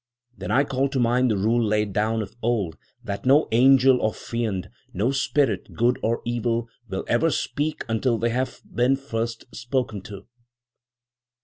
Then I called to mind the rule laid down of old, that no angel or fiend, no spirit, good or evil, will ever speak until they have been first spoken to.